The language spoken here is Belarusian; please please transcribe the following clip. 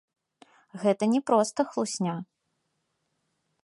Гэта не проста хлусня.